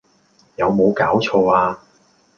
有冇搞錯呀